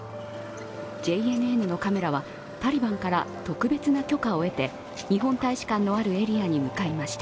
ＪＮＮのカメラはタリバンから特別な許可を得て日本大使館のあるエリアに向かいました。